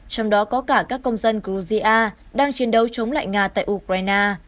trong đó có cả các công dân georgia đang chiến đấu chống lại nga tại ukraine